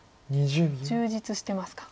充実してますか。